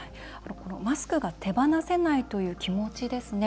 マスクが手放せないという気持ちですね